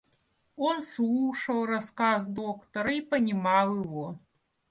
Он слушал рассказ доктора и понимал его.